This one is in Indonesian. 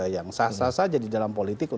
yang sah sah sah jadi dalam politik